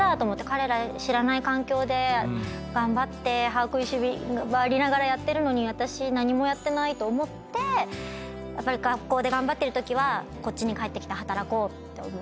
彼ら知らない環境で頑張って歯食い縛りながらやってるのに私何もやってないと思って学校で頑張ってるときはこっちに帰ってきて働こうって思って。